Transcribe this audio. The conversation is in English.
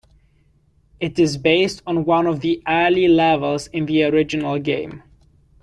It is based on one of the early levels in the original game.